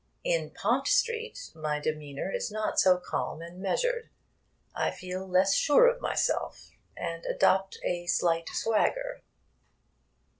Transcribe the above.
In Pont Street my demeanour is not so calm and measured. I feel less sure of myself, and adopt a slight swagger.